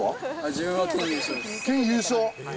自分は県優勝です。